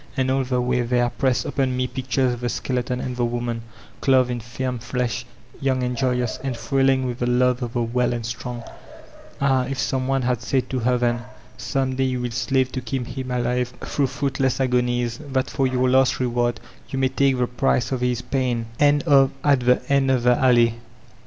And all the way there pressed upon me pictures of the skeleton and the woman, clothed in firm flesh, young and joyous, and thrilling with the love of the well and strong. Ah, if some one had said to her then, "Some day you will slave to keep him alive through fruitless agonies, that for your last reward you may take t